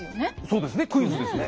そうですねクイズですね。